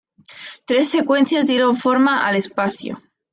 Tres secuencias dieron forma al espacio.